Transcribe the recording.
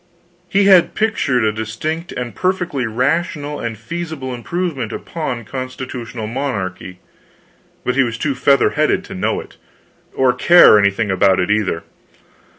He had pictured a distinct and perfectly rational and feasible improvement upon constitutional monarchy, but he was too feather headed to know it, or care anything about it, either.